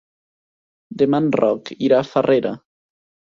Demà en Roc irà a Farrera.